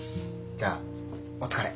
じゃあお疲れ。